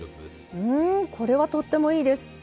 うんこれはとってもいいです。